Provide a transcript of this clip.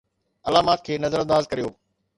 علامات کي نظر انداز ڪريو